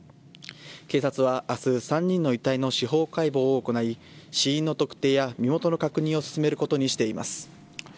警察は明日３人の遺体の司法解剖を行い死因の特定や身元の確認を進めることにしています。